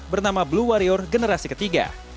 bernama blue warrior generasi ketiga